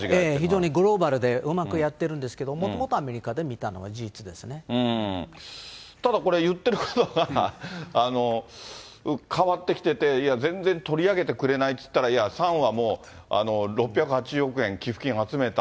非常にグローバルでうまくやってるんですけど、もともとアメただこれ、言ってることは変わってきてて、いや、全然取り上げてくれないって言ったら、いや、サンはもう６８０億円寄付金集めた。